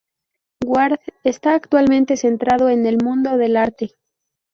Ward esta actualmente centrado en el mundo del arte.